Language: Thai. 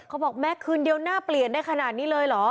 บอกแม่คืนเดียวหน้าเปลี่ยนได้ขนาดนี้เลยเหรอ